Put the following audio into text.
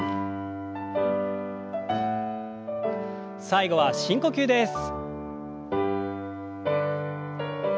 最後は深呼吸です。